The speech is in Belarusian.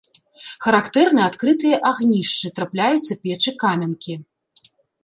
Характэрны адкрытыя агнішчы, трапляюцца печы-каменкі.